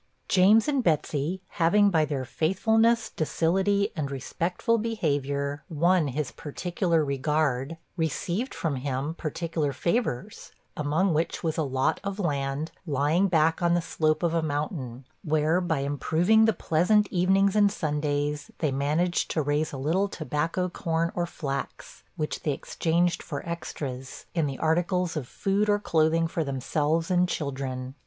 James and Betsey having, by their faithfulness, docility, and respectful behavior, won his particular regard, received from him particular favors among which was a lot of land, lying back on the slope of a mountain, where, by improving the pleasant evenings and Sundays, they managed to raise a little tobacco, corn, or flax; which they exchanged for extras, in the articles of food or clothing for themselves and children.